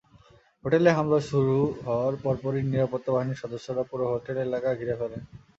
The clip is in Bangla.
হোটেলে হামলা শুরু হওয়ার পরপরই নিরাপত্তা বাহিনীর সদস্যরা পুরো হোটেল এলাকা ঘিরে ফেলেন।